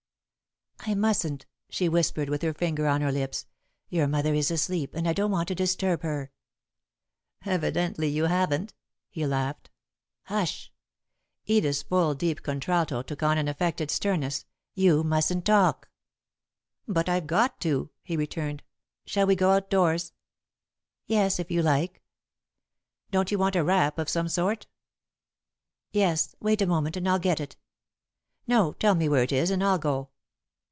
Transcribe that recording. "I mustn't," she whispered, with her finger on her lips. "Your mother is asleep and I don't want to disturb her." "Evidently you haven't," he laughed. "Hush!" Edith's full, deep contralto took on an affected sternness. "You mustn't talk." [Sidenote: Edith's Room] "But I've got to," he returned. "Shall we go outdoors?" "Yes, if you like." "Don't you want a wrap of some sort?" "Yes. Wait a moment, and I'll get it." "No tell me where it is, and I'll go."